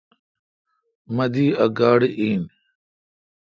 مہ دی ا گاڑی این۔